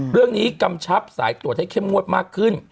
กำชับสายตรวจให้เข้มงวดมากขึ้น